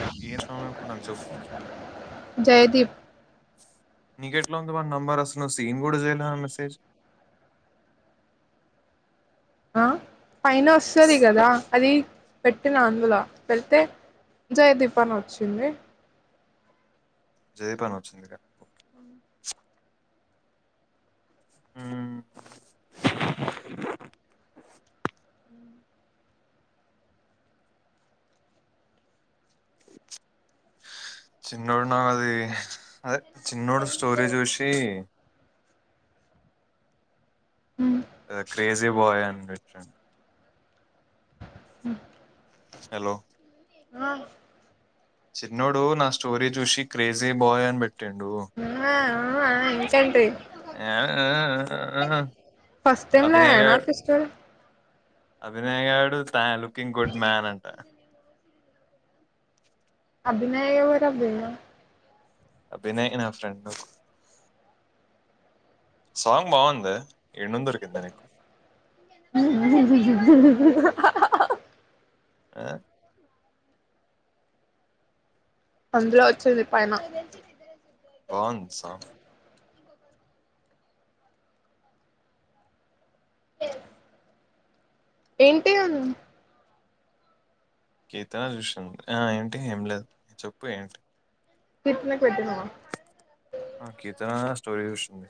ఏ ఏ సౌండ్ ఇన్పడిన నాక్ చెప్పు జయదీప్ నీకెట్లా ఉంది వాన్ నంబర్ అసలు సేమ్ కుడా చేయలే మెసేజ్ ఆ పైన వస్తది కదా అది పెట్టిన అందులో వెళ్తే జయదీపాన వచ్చింది జయపాన్ వచ్చిందిగా హుమ్ చిన్నోడు నాకది ఆ చిన్నోడు స్టోరీ చూసి ఇగ క్రేజీ బాయ్ అని పెట్టడు హలో ఆ చిన్నోడు నా స్టోరీ చూసి క్రేజీ బాయ్ అని బెట్టిండూ నీకంటే ఆ ఆ ఆ ఆ ఫస్ట్ టైం లో ఐన ఆర్టిస్టరు అభినయ గాడు త లుకింగ్ గుడ్ మ్యాన్ అంట అభినయ ఎవరబ్బ ఈడ అభినయ నా ఫ్రెండు సాంగ్ బావుందే ఏడు నుండి దొరికిందే నీకు ి ఆ అందులో వచ్చింది పైన బావుంది సాంగ్ ఎ ఏంటి అన్న గీత చూసింది ఆ ఏంటి ఏం లేదు చెప్పు ఏంటి పిట్నట్ కీర్తనా స్టోరీ చూసింది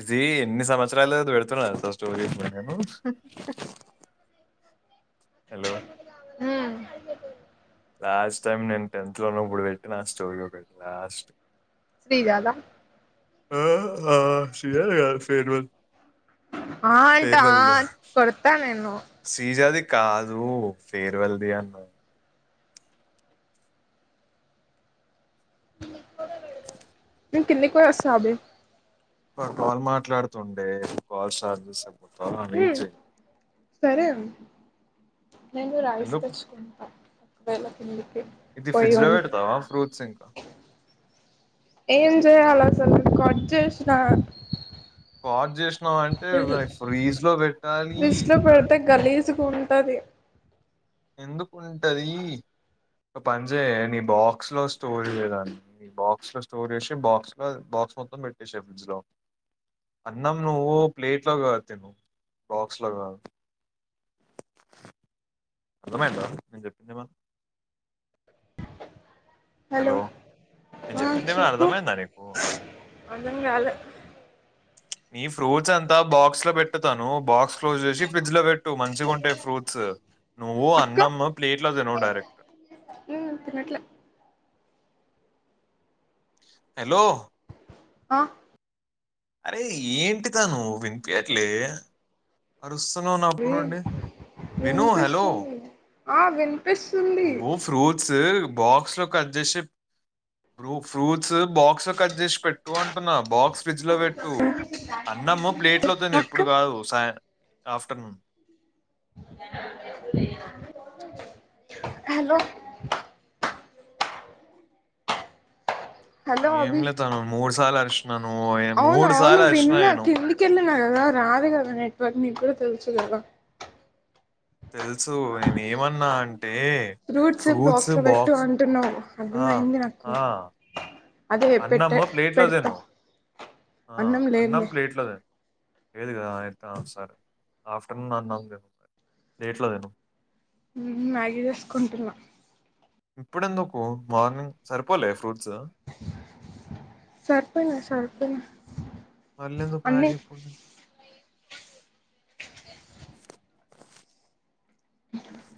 ఇదీ ఎన్ని సంవత్సరాలు పెడుతున్నాను తెలుసా స్టోరీ నేను హలో హ్మ్ లాస్ట్ టైం నేను టెన్త్లో ఉన్నప్పుడు పెట్టినా స్టోరీ ఒకటి లాస్ట్ శ్రీ గదా [unintelligible] ఫెర్వల్ ఆ అంటా ఆ కొడతా నేను శ్రీజాది కాదు ఫర్వల్దీ అన నేన్ కిందకి కూడా వస్తా అభి వాడ్ కాల్ మాట్లాడుతుండే కాల్ స్టార్ జెస్టాప్ పోతాను అడ్ వెయిట్ హ్మ్ జెయ్ సరే అభి నేను రైస్ ఎందుకు? తెచ్చుకుంట వెళ్ళ ఇది పోయి ఫ్రిడ్జ్‌లో వాన్ని పెడతావా ఫ్రూట్స్ ఇంకా? ఏం చేయలా సలు కట్చేేసిన వా జెస్ నం అంటే మరి ఫ్రీజ్ లో పెట్టాలి గలీజ్ గుంటది ఎందుకుంటది ఒక పని జెయే నీ బాక్స్ లో స్టోర్ చేయరాదు బాక్స్ లో స్టోర్ చేసి బాక్స్ లో బాక్స్ మొత్తం పెట్టేషేయ్ ఫ్రిడ్జ్ లో అన్నాం నువ్వు ప్లేట్ లో కాదు నువ్వు బాక్స్ లో కాదు అర్థమయిందా చెప్పింది మొత్తం హలో నేను ఆ చెప్పింది ఏమైనా చెప్పు అర్థమైందా నీకు అర్ధం కాలే నీ ఫ్రూట్స్ ఎంతా బాక్స్ లో పెట్టు తను బాక్స్ క్లోజ్ చేసి ఫ్రిడ్జ్ లో పెట్టు మంచిగుంటయ్ ఫ్రూట్స్ నువ్వు అక్క అన్నం ప్లేట్ లో తిను డైరెక్ట్ నేను తినట్లే హేలో ఆ అరే ఏంటి తను వినిపియట్లే డుస్తున్నావు నా ప వే నుండి విను హలో వినిపిస్తుంది ఆ విన్ పిస్సుంది నువ్వు ఫ్రూట్స్ బాక్స్ లో కట్ చేసి నువు ఫ్రూట్స్ బాక్స్ లో కట్ చేసి పెట్టు అంటున్నా బాక్ ఫ్రిడ్జ్ లో పెట్టు అన్నము ప్లేట్ లో తిను అక్క ఇప్పుడు కాదు సాయా ఆఫ్టర్నూన్ హలో హలో ఏం అభి లేత నువ్ మూడు సార్లు అరుష్ అవును అవును విన్న కిందికెళ్ళినా కదా రాదు కదా నెట్వర్క్ నీగ్గూడ తెలుసు గదా తెలుసు నేను ఏమన్నా అన్ ఫ్రూట్స్ బాక్స్ లో పెట్టు అంటున్నావు ఆ అర్థమయింది నాకు ఆ అదే పెట్టే అన్నము ప్లేట్లో పెడతా తిను ఆ అన్నం ప్లేట్ లో తిను లేదు కదా ఆ సరే ఆఫ్టర్నూన్ అన్నం తిను ప్లేట్లో తిను మ్యాగీ చేసుకుంటున్నా ఇప్పుడెందుకు మార్నింగ్ సరిపోలే ఫ్రూట్స్ సరిపోయినాయ్ సరిపోయినాయ్ మళ్ళీ ఎందుకు మ్యాగి ఇప్పుడు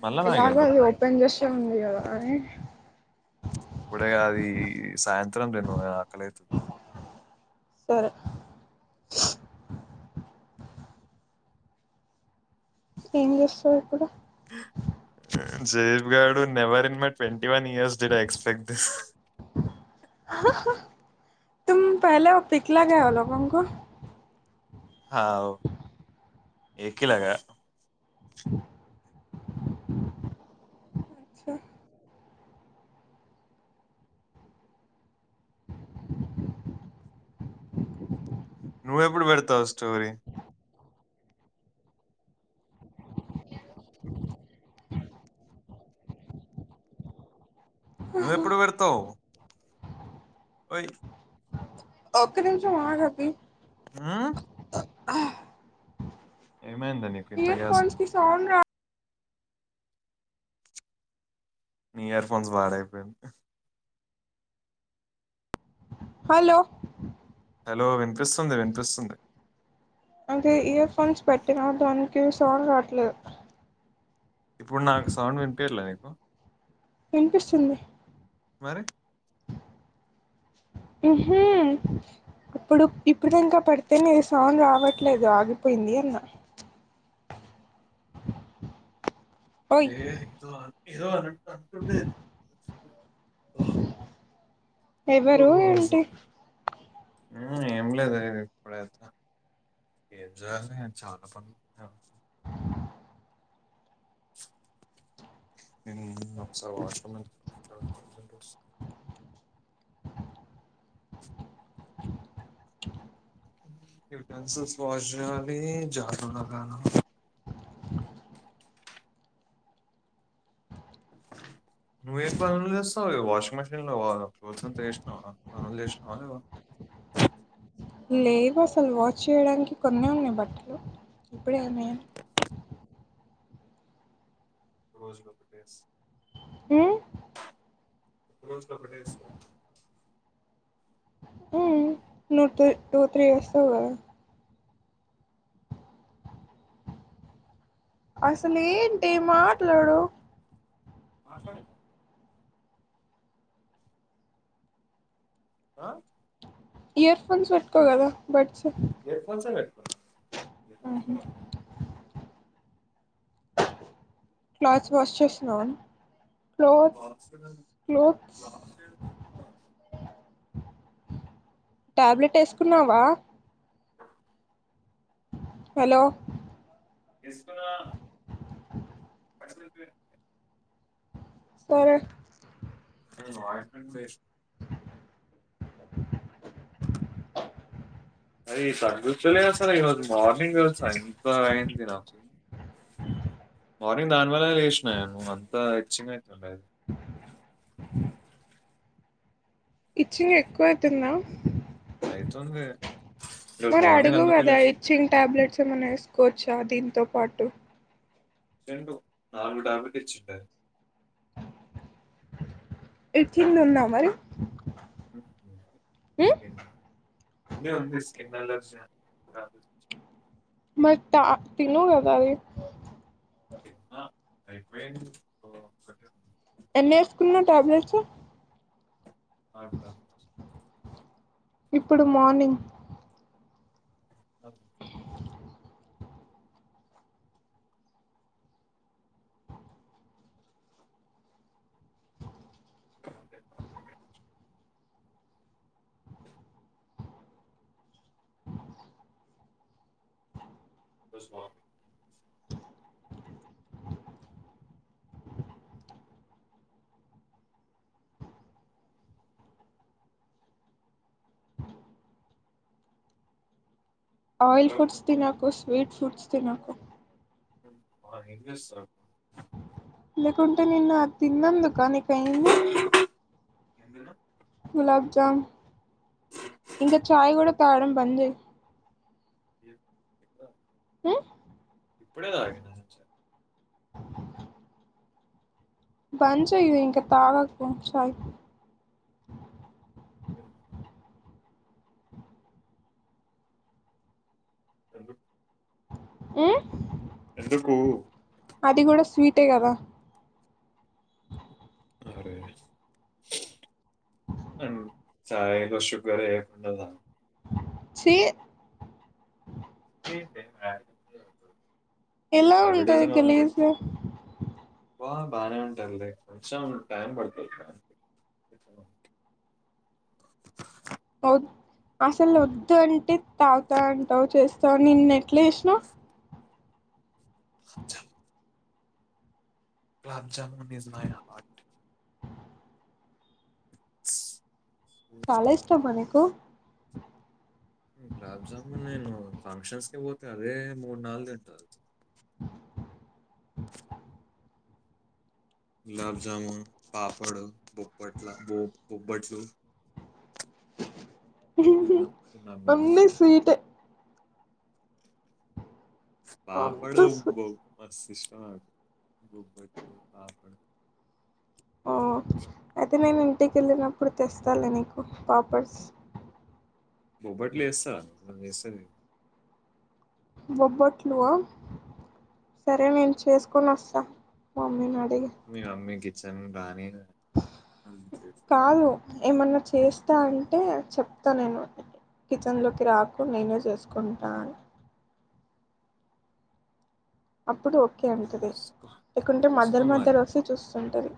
మళ్ళా మ్యాగీ ఎలాగో అది ఎందుకు ఓపెన్ చేసి ఉంది కదా అని ఇప్పుడేకాదు అది సాయంత్రం త్తం తిను ఆకలయితుంది సరే ఏమ్ చేస్తావ్ ఇప్పుడు జేబ్ గాడు నెవర్ ఇన్ మై ట్వె one years did I expect this తుమ్ పలో పిక్లా గ లోగోంకో హా ఎకిల్లగా చా నువ్వెప్పుడు పెడతావు స్టోరీ నువ్వెప్పుడు పెడతావు ఓయ్ ఒక్క నిమిషం ఆగు అభి ఆ ఆ ఏమైందా నీకు ఇంత గ్యాస్ ఈయర్ఫోన్స్ ఉంది కి సౌండ్ రావట్లే నీ ఇయర్ ఫోన్స్ పాడైపోయింది హలో హలో వి స్తుంది విను ప్రస్తుంది పెట్టిన దానికి సౌండ్ రాట్లేదు ఇప్పుడు నాకు సౌండ్ వినిపేలా నీకు వినిపిస్తుంది మరి ఇప్పుడు ఇప్పుడుద ఇంకా పడితేనేది సౌన్డ్ రావట్లేదు ఆగిపోయింది అన్న ఓయ్ లేజ ఇవ న ఎవరు ఉంటే ఆ ఏం లేదు ఇప్పుడైతే ఏం చేయాలి చాలా పనులు హు ఒకసారీ వాష్ సంతోష [inaudible] [unintelligible] నువ్వే పనులు చేస్తావు వాషింగ్ మేషిన్ లో వా క్లోత్ వేసినావా పనులు చేసినావావా లేవు అసలు వాచ్ చేయడానికి కొన్ని ఉన్నాయి బట్టలు ఇప్పుడే ఏన్నాయ రోజుగా ప్రదేశ్ ఏ రోజుకొక ప్రదేశం ఉ [unintelligible] అసలేంటి మా [unintelligible] డు ఆ సార్ ఆ ఇయర్ ఫోన్స్ పెట్టుకో కదా బట్ ఇయర్ ఫోన్స్ పెట్టు ఆహా అ క్లాత్స్ వాష్ చేసినవా - [unintelligible] టాబ్లెట్ వేసుకున్నావా. హలో ఎసుకున్నా సరే వాష్ [unintelligible] అరే ఇది తగ్గుతలేదు అసలు ఈరోజు మార్నింగ్ స్కిన్ అంత అయింది నాకు మ్ మార్నింగ్ దాని వల్లనే లేషిన అంత ఇచ్చింగ్ అయితుంది. [inaudible] ఇచ్చింగ్ ఎక్కువ ఐతుందా అయితుంది. ఈరోజు మరి మార్నింగ్ అడుగు అందుకే కదా ఇచ్చింగ్ టాబ్లెట్స్ ఏమన్నా వేసుకోవచ్చా దీంతో పాటు ఇచ్చిండు నాలుగు టాబ్లెట్ ఇచ్చిండు ఆయన ఇచ్చింగ్ ఉందా మరి ఉమ్ ఉంది ఉంది స్కిన్ ఎలర్జీ మరి తా తిను కదా అది తిన్న అయిపోయింది ఒ ఒకటి ఉంది ఎన్నేసుకున్నావు టాబ్లేట్స్ [inaudible] ఇప్పుడు మార్నింగ్ అవ్ [inaudible] ఆయిల్ హలో ఫుడ్స్ తినకుస్ వీడ్ ఫుడ్స్ తినకు వాడు ఏం చేస్తున్నడు లేకుంటే నిన్న ఆ తిన్నాందుకా నీ పయ్యింది ఎందులో గులాబ్జామ్ ఇంకా చాయ్ కూడా తాగడం బంజెయ్ మ్ ఇప్పుడే తాగిన చాయ్ బంజెయ్ ఇక తాగాకు చాయ్ ఏం కాదు ఎందుకు మ్ ఎందుకూ అది కూడా స్వీటే కదా అరే అమ్ సరే ఏదో షుగర్ ఎయకుండ తాగుత చీ ఏంటే వ్య గీ అంటావ్ ఎలా ఉంటది గలీజ్ గా బా బాగానే ఉంటారులే కొంచ టైమ్ పడుతుంది వద్ అసలు వద్దు అంటే తాగుతా అంటావు చేస్తా నిన్న ఎట్లా చేస్నావ్ [inaudible] గులాబ్జమన్ ఇజ్ మై హార్ట్ స్ చాలా ఇష్టం అనకు గులాబ్జామున్ నేను ఫంక్షన్స్క పోతే అదే మూడు నాలుగు తింట గులాబ్జాము పాపడు బొప్పట్ల బొ బొబ్బట్లు తిన్నాం తిన్నాం మేము అన్నీ స్వీటే అంత పాపడు స్వీట్ బోబ్ సిస్సడ్ బొబ్బట్లు పాపడు ఇట్లా. ఇంటికెళ్ళినప్పుడు తెస్తాలే నీకు పాపడ్స్ బొబట్లు ఎస్తా ఎస్తంది బొబ్బొట్లువా సరే నేను చేసుకొని వస్తా మమ్మీ నడి మీ అమ్మికి సంబానేనా కాదు ఏమన్నా చేస్తా అంటే చెప్తా నేను కిచెన్లోకి రాకు నేనే చేసుకుంటా అని అప్ ఇప్పుడు ఓకే అంటది చూసుకో లేకుంటే చూసుకో మధ్యల మరి మధ్యల వస్తే చూస్ ఉంటది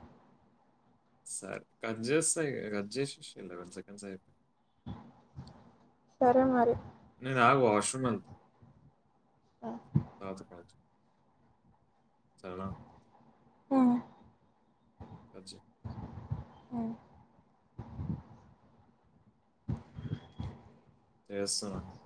సార్ కట్ చేస్తా ఇగ కట్ లెవెన్ సెకండ్స్ సరే మరి నేను ఆగు వాష్రూమ్ ఎల్ మరి కాదు కాదు చాలా ఆ కట్ చెయ్ అ చేస్తున్న